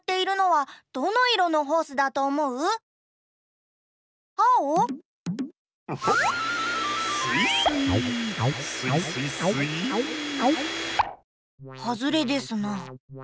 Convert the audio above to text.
はずれですな。